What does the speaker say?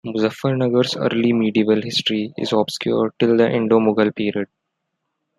Muzaffarnagar's early medieval history is obscure till the Indo-Mughal period.